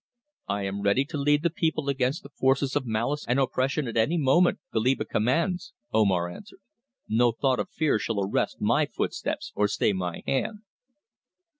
"I am ready to lead the people against the forces of malice and oppression at any moment Goliba commands," Omar answered. "No thought of fear shall arrest my footsteps or stay my hand."